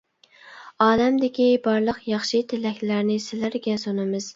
ئالەمدىكى بارلىق ياخشى تىلەكلەرنى سىلەرگە سۇنىمىز.